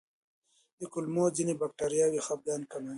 د کولمو ځینې بکتریاوې خپګان کموي.